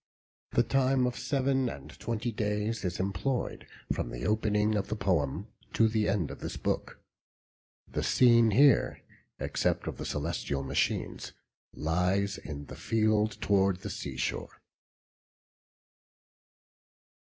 The time of seven and twenty days is employed from the opening of the poem to the end of this book. The scene here (except of the celestial machines) lies in the field toward the sea shore.